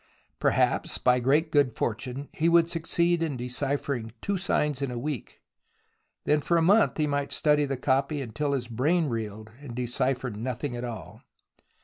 Perhaps by great good fortune he would succeed in deciphering two signs in a week, then for a month he might study the copy until his brain reeled, and decipher nothing at all.